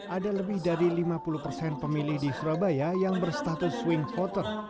ada lebih dari lima puluh persen pemilih di surabaya yang berstatus swing voter